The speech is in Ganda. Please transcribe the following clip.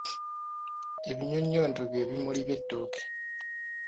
Ebinyonyonto bye bimuli by’ettooke.